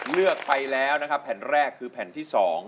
เลือกไปแล้วนะครับแผ่นแรกคือแผ่นที่๒